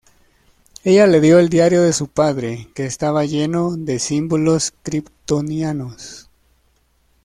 Ella le dio el diario de su padre, que estaba lleno de símbolos kryptonianos.